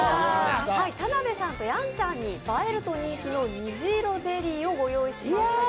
田辺さんとやんちゃんに、映えると人気の虹色ゼリーをご用意しました。